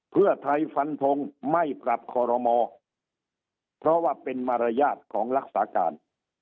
เพื่อไทยฟันทงไม่ปรับคอรมอเพราะว่าเป็นมารยาทของรักษาการ